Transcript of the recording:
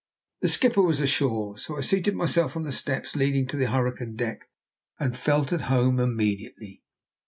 The skipper was ashore, so I seated myself on the steps leading to the hurricane deck, and felt at home immediately.